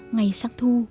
ngày sáng thu